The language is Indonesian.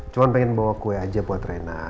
cuma pengen bawa kue aja buat rena